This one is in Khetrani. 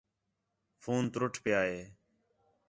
فون تُرٹ پیا ہے